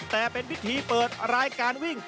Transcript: แต่เป็นพิธีเปิดรายการวิ่ง